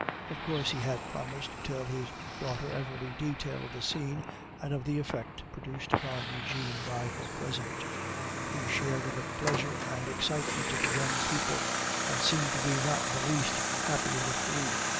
Of course he had promised to tell his daughter every little detail of the scene and of the effect produced upon Eugene by her present; he shared in the pleasure and excitement of the young people, and seemed to be not the least happy of the three.